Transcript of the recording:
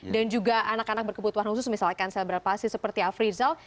dan juga anak anak berkebutuhan khusus misalkan selebrer pasir seperti afrizal